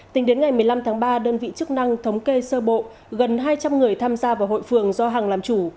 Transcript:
tính đến ngày một mươi năm tháng ba đơn vị chức năng thống kê sơ bộ gần hai trăm linh người tham gia vào hội phường do hằng làm chủ